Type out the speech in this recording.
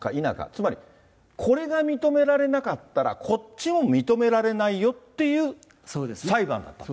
つまりこれが認められなかったら、こっちも認められないよっていう裁判だった。